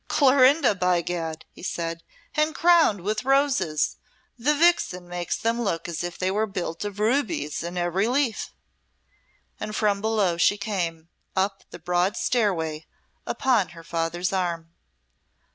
"Clorinda, by Gad!" he said, "and crowned with roses! The vixen makes them look as if they were built of rubies in every leaf." And from below she came up the broad stairway, upon her father's arm.